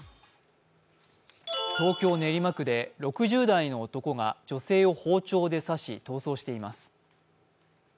東京・練馬区で６０代の男が女性を包丁で刺し、逃走しています